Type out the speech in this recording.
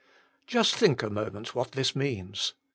Just think a moment what this means.